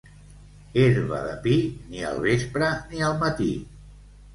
Herba de pi, ni al vespre ni al matí.